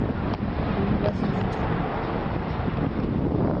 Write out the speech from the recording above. Un gua jinanchanoo.